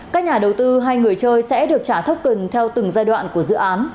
các nhà đầu tư hay người chơi sẽ được trả thấp cần theo từng giai đoạn của dự án